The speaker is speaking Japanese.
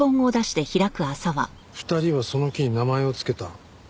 「二人はその木に名前を付けた」